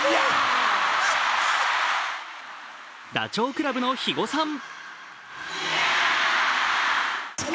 ダチョウ倶楽部の肥後さん。